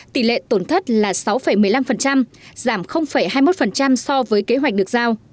tỷ lệ tổn thất là sáu một mươi năm giảm hai mươi một so với kế hoạch được giao